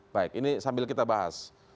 baik ini sambil kita bahas